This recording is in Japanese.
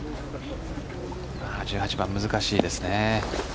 １８番、難しいですね。